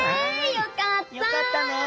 よかったね。